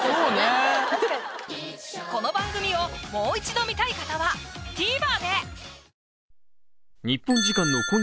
この番組をもう一度観たい方はＴＶｅｒで！